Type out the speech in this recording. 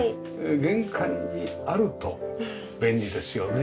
玄関にあると便利ですよね。